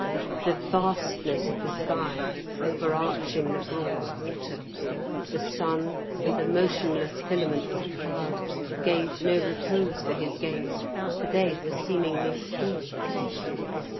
The vastness of the sky, over arching the broad water, the sun, and the motionless filaments of cloud, gave no repose for his gaze, for they were seemingly still.